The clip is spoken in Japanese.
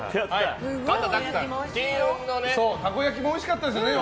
たこ焼きもおいしかったですよね。